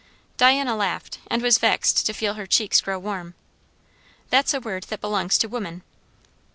Diana laughed, and was vexed to feel her cheeks grow warm. "That's a word that belongs to women."